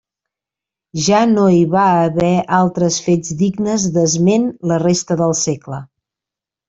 Ja no hi va haver altres fets dignes d'esment la resta del segle.